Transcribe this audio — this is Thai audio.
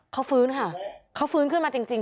เขาฟื้นค่ะเขาฟื้นขึ้นมาจริง